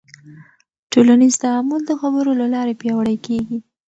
ټولنیز تعامل د خبرو له لارې پیاوړی کېږي.